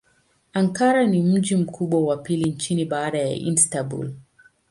Ankara ni mji mkubwa wa pili nchini baada ya Istanbul.